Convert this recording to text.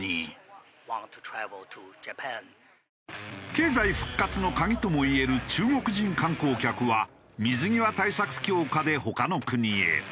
経済復活の鍵ともいえる中国人観光客は水際対策強化で他の国へ。